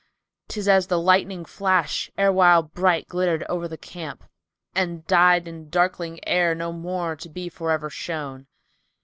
'Tis as the lightning flash erewhile bright glittered o'er the camp * And died in darkling air no more to be for ever shown.'"